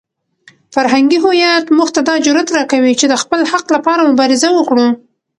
فرهنګي هویت موږ ته دا جرئت راکوي چې د خپل حق لپاره مبارزه وکړو.